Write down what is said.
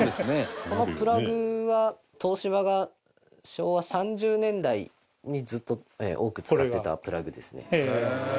昭和３０年代にずっと多く使ってたプラグですね。